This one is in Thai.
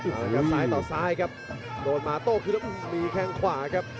แล้วก็ซ้ายต่อซ้ายครับโดนมาโต๊ะคืนแล้วมีแค่งขวาครับ